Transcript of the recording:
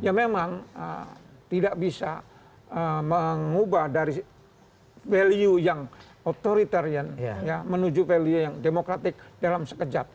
ya memang tidak bisa mengubah dari value yang authoritarian menuju value yang demokratik dalam sekejap